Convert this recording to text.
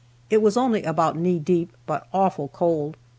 It was only about knee deep, but awful cold.